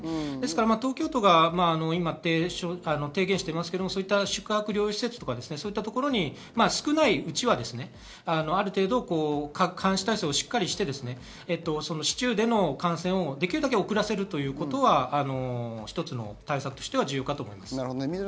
東京都が今、提言していますが宿泊療養施設などに少ないうちはある程度、監視体制をしっかりして、市中での感染をできるだけ遅らせるということは一つの対策として重要だと思います。